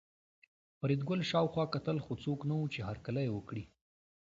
فریدګل شاوخوا کتل خو څوک نه وو چې هرکلی یې وکړي